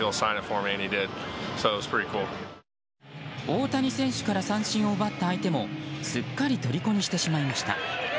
大谷選手から三振を奪った相手もすっかりとりこにしてしまいました。